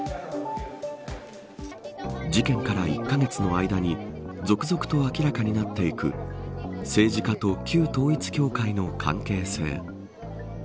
事件から１カ月の間に続々と明らかになっていく政治家と旧統一教会の関係性。